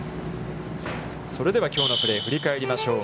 それでは、きょうのプレーを振り返りましょう。